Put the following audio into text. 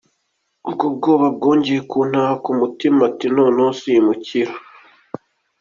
Ubwo ubwoba bwongeye kuntaha, ku mutima nti noneho simukira.